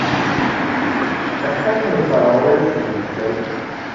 Acḥal n useṛɣu i tessdemseḍ?